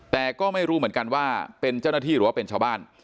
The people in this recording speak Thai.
แต่ก็ไม่รู้เหมือนกันว่าเป็นเจ้าหน้าที่หรือว่าเป็นชาวบ้าน